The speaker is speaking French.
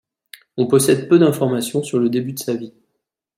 On possède peu d'informations sur le début de sa vie.